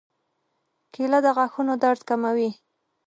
کېله د غاښونو درد کموي.